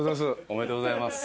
おめでとうございます。